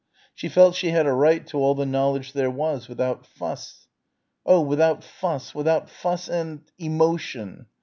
She felt she had a right to all the knowledge there was, without fuss ... oh, without fuss without fuss and emotion....